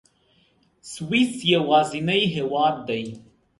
سویس یوازینی هېواد دی.